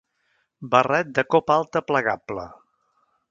Barret de copa alta plegable.